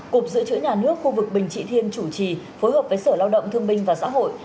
cục dự trữ nhà nước khu vực bình trị thiên chủ trì phối hợp với sở lao động thương binh và xã hội